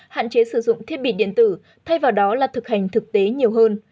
hạn chế sử dụng thiết bị điện tử thay vào đó là thực hành thực tế nhiều hơn